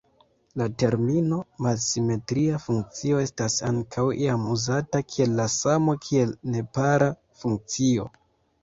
La termino "malsimetria funkcio" estas ankaŭ iam uzata kiel la samo kiel nepara funkcio.